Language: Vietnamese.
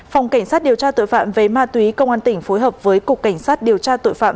phòng cảnh sát điều tra tội phạm về ma túy công an tỉnh phối hợp với cục cảnh sát điều tra tội phạm